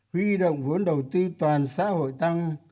huy động vốn đầu tư toàn xã hội tăng